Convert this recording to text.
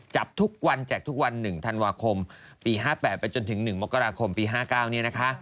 จับทุกวันแจกทุกวัน๑ธันวาคมปี๕๘ไปจนถึง๑มกราคมปี๕๙เนี่ยนะคะ